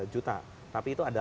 juta tapi itu ada